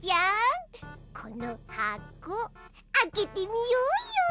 このはこあけてみようよ。